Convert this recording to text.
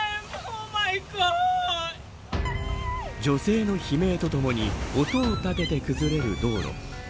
女性の悲鳴とともに音を立てて崩れる道路。